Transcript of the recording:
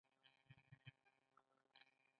د مرکزي بغلان په ګرداب ساحه کې سخته تالاشي وه.